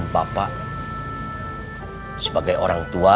bapak teh mau kemana